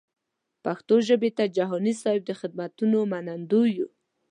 پښتو ژبې ته جهاني صېب د خدمتونو منندوی یو.